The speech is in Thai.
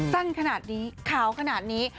สั้นขนาดนี้ขาวขนาดนี้